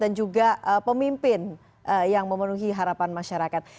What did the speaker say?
dan juga pemimpin yang memenuhi harapan masyarakat